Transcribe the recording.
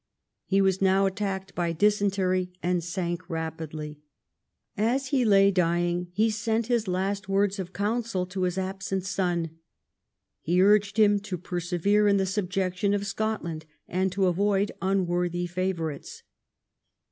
He was now attacked by dysentcjy, and sank rapidly. As he lay dying he sent his last words of counsel to his al)sent son. He urged him to persevere in the subjection of Scotland, and to avoid unworthy favourites.